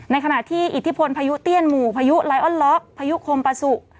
ขณะที่อิทธิพลพายุเตี้ยนหมู่พายุไลออนล้อพายุคมปาสุ